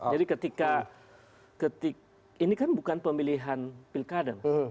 jadi ketika ini kan bukan pemilihan pilkada